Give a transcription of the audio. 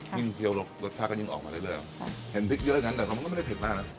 ยิ่งเทียวรสชาติก็ยิ่งออกมาเร็วครับเห็นพริกเยอะอย่างนั้นแต่มันก็ไม่ได้เผ็ดมากนะ